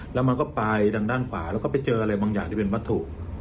แล้วมันก็ปลายทางด้านขวาแล้วก็ไปเจออะไรบางอย่างที่เป็นวัตถุ